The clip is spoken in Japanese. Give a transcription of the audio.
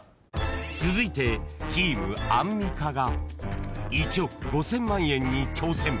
［続いてチームアンミカが１億５，０００万円に挑戦］